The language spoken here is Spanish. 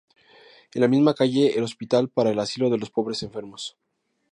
En la misma calle el hospital para el asilo de los pobres enfermos.